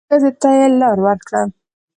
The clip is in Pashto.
ښځې ته يې لار ورکړه.